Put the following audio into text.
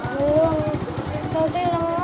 kamu kamu lagi puasa